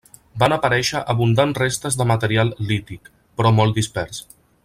Van aparèixer abundant restes de material lític, però molt dispers.